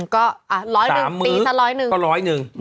ก็๓มื้อ๑๐๐หนึ่ง